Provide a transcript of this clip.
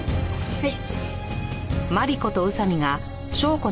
はい。